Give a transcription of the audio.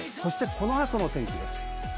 この後の天気です。